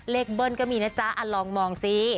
เบิ้ลก็มีนะจ๊ะลองมองสิ